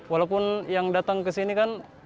walaupun yang datang ke sini kan